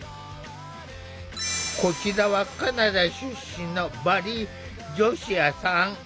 こちらはカナダ出身のバリージョシュアさん。